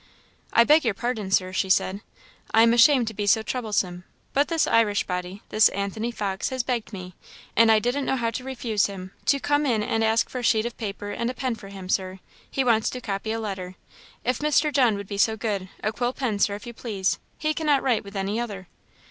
"I beg your pardon, Sir," she said; "I am ashamed to be so troublesome but this Irish body, this Anthony Fox, has begged me, and I didn't know how to refuse him, to come in and ask for a sheet of paper and a pen for him, Sir he wants to copy a letter if Mr. John would be so good; a quill pen, Sir, if you please; he cannot write with any other."